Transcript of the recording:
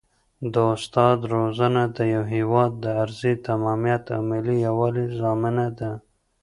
د استاد روزنه د یو هېواد د ارضي تمامیت او ملي یووالي ضامنه ده.